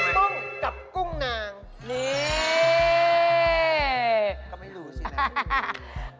ก็มีรูซีแหละ